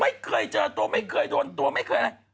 ไม่เคยเจอตัวไม่เคยโดนตัวไม่เคยอะไร